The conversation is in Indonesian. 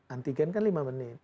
antigen kan lima menit